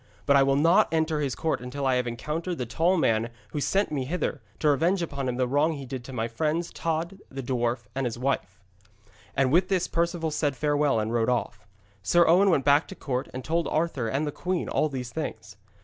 But I will not enter his court until I have encountered the tall man there who sent me hither, to revenge upon him the wrong he did to my friends, Tod the dwarf and his wife.' And with this Perceval said farewell and rode off. Sir Owen went back to the court, and told Arthur and the queen all these things.